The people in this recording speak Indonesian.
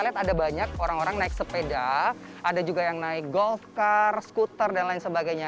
lihat ada banyak orang orang naik sepeda ada juga yang naik golf car skuter dan lain sebagainya